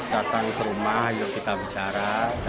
datang ke rumah yuk kita bicara